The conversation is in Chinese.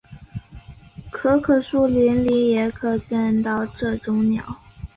可可树林里也可见到这种鸟。